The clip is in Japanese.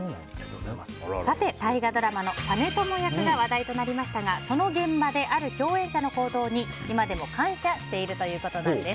さて、大河ドラマの実朝役が話題となりましたが、その現場である共演者の行動に、今でも感謝しているということなんです。